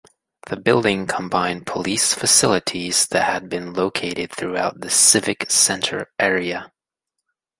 The building combined police facilities that had been located throughout the Civic Center area.